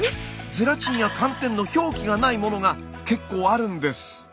ゼラチンや寒天の表記がないものが結構あるんです。